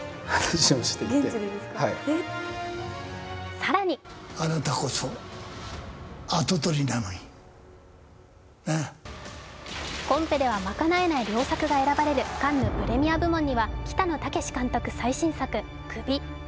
更にコンペでは賄えない良作が選ばれるカンヌ・プレミア部門には北野武監督最新作、「首」。